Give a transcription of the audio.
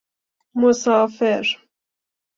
مسافر